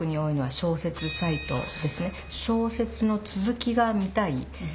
小説の続きが見たい。